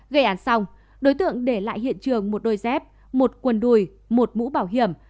gây án xong đối tượng để lại hiện trường một đôi dép một quần đùi một mũ bảo hiểm